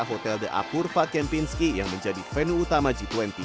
hotel the apurva kempinski yang menjadi venue utama g dua puluh